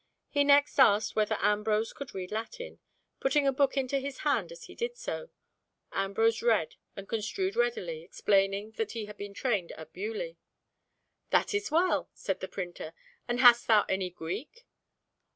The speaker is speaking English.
He next asked whether Ambrose could read Latin, putting a book into his hand as he did so; Ambrose read and construed readily, explaining that he had been trained at Beaulieu. "That is well!" said the printer; "and hast thou any Greek?"